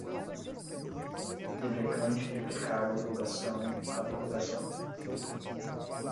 deprecante, deprecar, derrogação, ab-rogação